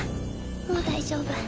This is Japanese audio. もう大丈夫。